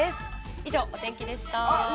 以上、お天気でした。